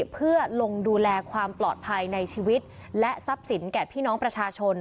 เพื่อลงดูแลความปลอดภัยในชีวิตและทรัพย์สินแก่พี่น้องประชาชน